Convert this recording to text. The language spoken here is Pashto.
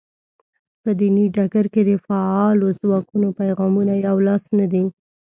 په دیني ډګر کې د فعالو ځواکونو پیغامونه یو لاس نه دي.